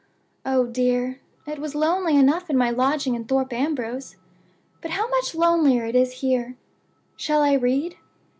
Oh, dear, it was lonely enough in my lodging in Thorpe Ambrose, but how much lonelier it is here! Shall I read?